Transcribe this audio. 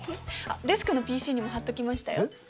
あっデスクのＰＣにも貼っときましたよ。